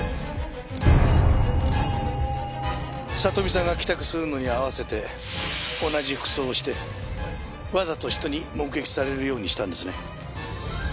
里美さんが帰宅するのに合わせて同じ服装をしてわざと人に目撃されるようにしたんですね。